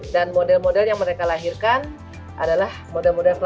dan model model yang mereka lahirkan adalah model modelnya